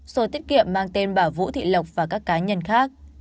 sổ tiết kiệm mang tên bà vũ thị lộc và các cá nhân khác